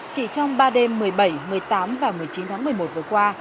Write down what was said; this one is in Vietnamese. chỉ trong ba đêm một mươi bảy một mươi tám và một mươi chín tháng một mươi một vừa qua